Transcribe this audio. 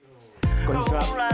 こんにちは。